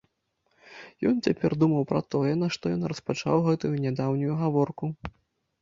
Ён цяпер думаў пра тое, нашто ён распачаў гэтую нядаўнюю гаворку.